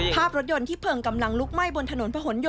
๒คนเลยนะผู้หญิงผู้ชาย